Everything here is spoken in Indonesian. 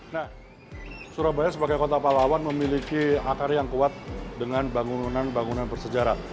nah surabaya sebagai kota palawan memiliki akar yang kuat dengan bangunan bangunan bersejarah